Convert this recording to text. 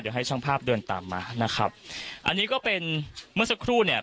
เดี๋ยวให้ช่างภาพเดินตามมานะครับอันนี้ก็เป็นเมื่อสักครู่เนี่ย